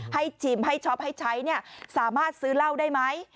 ชิมให้ช็อปให้ใช้สามารถซื้อเหล้าได้ไหม